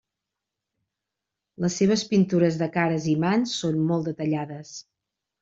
Les seves pintures de cares i mans són molt detallades.